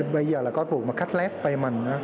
bây giờ là có vụ mà cutlet payment